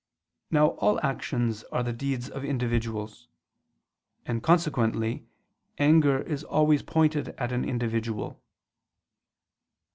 Now all actions are the deeds of individuals: and consequently anger is always pointed at an individual.